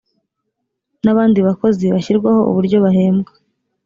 n abandi bakozi bashyirwaho uburyo bahembwa